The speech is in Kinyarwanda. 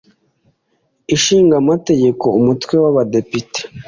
ishinga Amategeko Umutwe w Abadepite